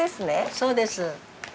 そうです。